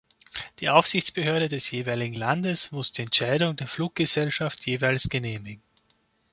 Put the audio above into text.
Die Aufsichtsbehörde des jeweiligen Landes muss die Entscheidung der Fluggesellschaft jeweils genehmigen.